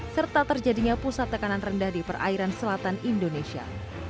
serta terjadinya pusat tekanan rendah di perairan selatan indonesia